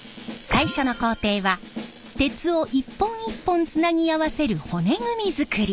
最初の工程は鉄を一本一本つなぎ合わせる骨組み作り。